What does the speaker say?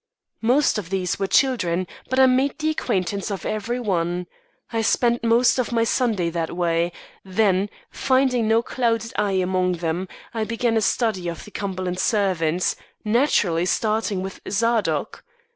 "Most of these were children, but I made the acquaintance of every one. I spent most of my Sunday that way; then, finding no clouded eye among them, I began a study of the Cumberland servants, naturally starting with Zadok.